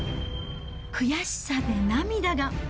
悔しさで涙が。